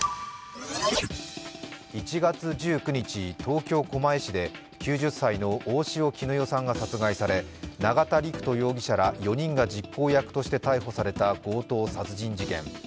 １月１９日、東京・狛江市で９０歳の大塩衣与さんが殺害され、永田陸人容疑者ら４人が実行役として逮捕された強盗殺人事件。